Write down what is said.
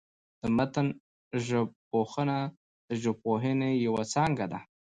د متن ژبپوهنه، د ژبپوهني یوه څانګه ده.